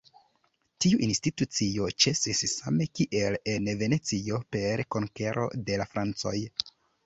Tiu institucio ĉesis same kiel en Venecio, per konkero de la francoj.